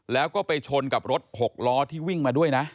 แล้วก็ไปชนกับรถหกล้อที่วิ่งมาด้วยนะ